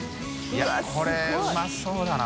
いこれうまそうだな